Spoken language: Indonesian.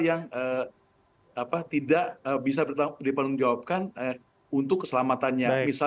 yang tidak bisa dipertanggungjawabkan untuk keselamatannya